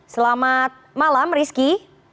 selamat malam rizky